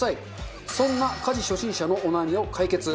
そんな家事初心者のお悩みを解決。